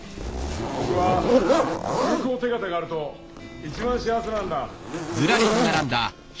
僕は通行手形があると一番幸せなんだ。